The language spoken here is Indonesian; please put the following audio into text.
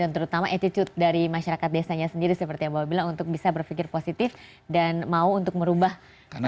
dan terutama attitude dari masyarakat desanya sendiri seperti yang bapak bilang untuk bisa berpikir positif dan mau untuk merubah desanya